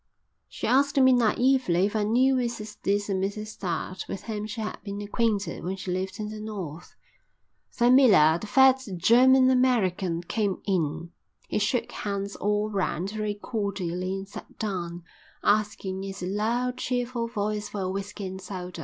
She asked me naïvely if I knew Mrs This and Mrs That, with whom she had been acquainted when she lived in the north. Then Miller, the fat German American, came in. He shook hands all round very cordially and sat down, asking in his loud, cheerful voice for a whisky and soda.